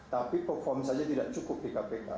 tapi perform saja tidak cukup di kpk